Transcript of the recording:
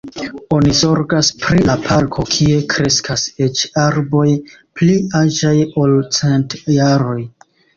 Oni zorgas pri la parko, kie kreskas eĉ arboj pli aĝaj, ol cent jaroj.